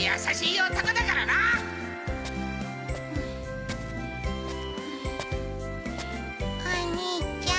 お兄ちゃん。